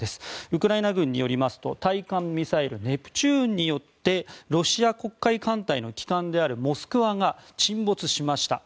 ウクライナ軍によりますと対艦ミサイルネプチューンによってロシア黒海艦隊の旗艦である「モスクワ」が沈没しました。